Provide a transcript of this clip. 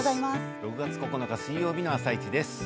６月９日水曜日の「あさイチ」です。